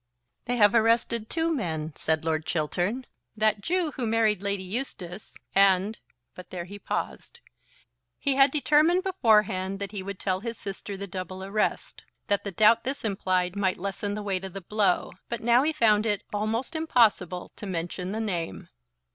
"They have arrested two men," said Lord Chiltern; "that Jew who married Lady Eustace, and " But there he paused. He had determined beforehand that he would tell his sister the double arrest that the doubt this implied might lessen the weight of the blow; but now he found it almost impossible to mention the name.